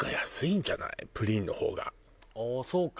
ああそうか。